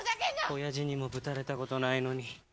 おやじにもぶたれたことないのに。